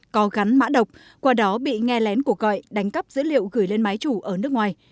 có gắn mã độc qua đó bị nghe lén cuộc gọi đánh cắp dữ liệu gửi lên máy chủ ở nước ngoài